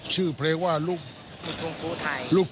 ชื่อเพลงว่าลูกทุ่มครูไทย